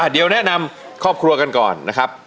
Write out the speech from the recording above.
เดี๋ยวแนะนำครอบครัวกันก่อนนะครับ